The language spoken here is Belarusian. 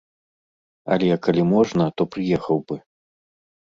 Але, калі можна, то прыехаў бы.